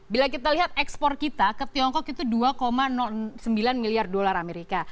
bila kita lihat ekspor kita ke tiongkok itu dua sembilan miliar dolar amerika